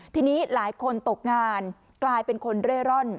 ทีนี้หลายคนตกงานกลายเป็นคนเร่ร่อน